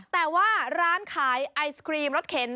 แต่ว่าร้านขายไอศครีมรถเข็น